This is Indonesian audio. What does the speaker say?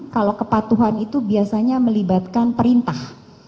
kalau kepatuhan itu biasanya melibatkan perintah